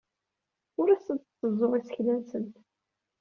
Ur asent-tteẓẓuɣ isekla-nsent.